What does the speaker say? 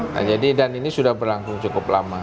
nah jadi dan ini sudah berlangsung cukup lama